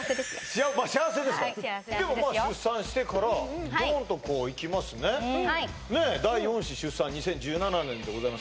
まあ幸せですかはい幸せですよでもまあ出産してからドーンとこういきますねねえ第四子出産２０１７年でございます